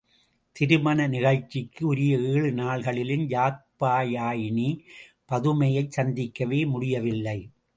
திருமண நிகழ்ச்சிக்கு உரிய ஏழு நாள்களிலும் யாப்பியாயினி, பதுமையைச் சந்திக்கவே முடியவில்லை.